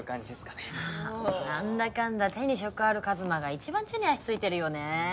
なんだかんだ手に職ある一真が一番地に足着いてるよね